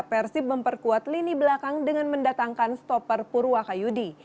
persib memperkuat lini belakang dengan mendatangkan stopper purwakayudi